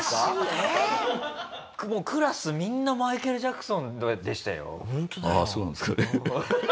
もうクラスみんなマイケル・ジャクソンでしたよ。